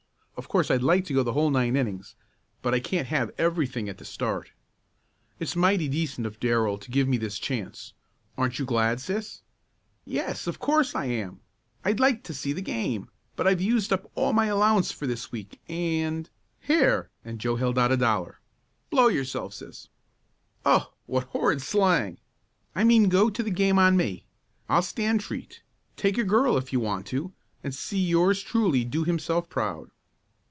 Of course I'd like to go the whole nine innings but I can't have everything at the start. It's mighty decent of Darrell to give me this chance. Aren't you glad, sis?" "Yes, of course I am. I'd like to see the game, but I've used up all of my allowance for this week, and " "Here!" and Joe held out a dollar. "Blow yourself, sis." "Oh, what horrid slang!" "I mean go to the game on me. I'll stand treat. Take a girl if you want to and see yours truly do himself proud."